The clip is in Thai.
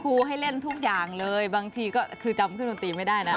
ให้เล่นทุกอย่างเลยบางทีก็คือจำเครื่องดนตรีไม่ได้นะ